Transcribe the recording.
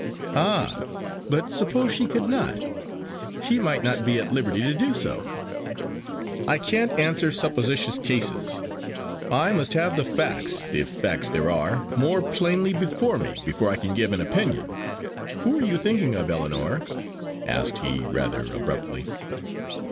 "Ah! but suppose she could not. She might not be at liberty to do so." "I can't answer supposititious cases. I must have the facts if facts there are more plainly before me before I can give an opinion. Who are you thinking of, Ellinor?" asked he, rather abruptly.